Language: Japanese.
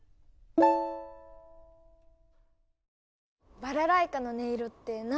バラライカの音色って何だかすてき！